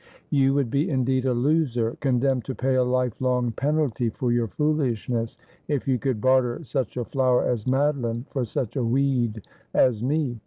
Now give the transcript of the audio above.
You would be, indeed, a loser, condemned to pay a life long penalty for your foolishness, if you could barter such a flower as Mado line for such a weed as me.